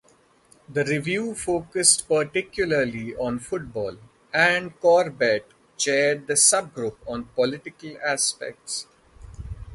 The review focused particularly on football, and Corbett chaired the sub-group on political aspects.